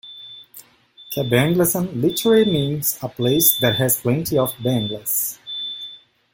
Kabanglasan literally means a place that has plenty of Banglas.